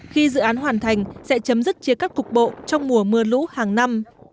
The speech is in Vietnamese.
khi dự án hoàn thành sẽ chấm dứt chia cắt cục bộ trong mùa mưa lũ hàng năm